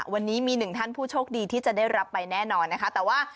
วันนี้มีหนึ่งท่านผู้โชคดีที่จะได้รับไปแน่นอนนะคะแต่ว่า